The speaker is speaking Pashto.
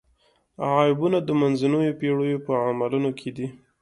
عیبونه د منځنیو پېړیو په عملونو کې دي.